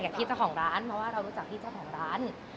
พี่เจ้าของร้านเพราะว่าเรารู้จักพี่เจ้าของร้าน